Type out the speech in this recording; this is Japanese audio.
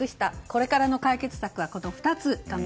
これからの解決策は２つ。